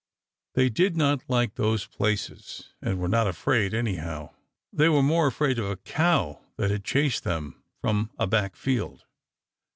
They did not like those places, and were not afraid, anyhow. They were more afraid of a cow that had chased them from a back field.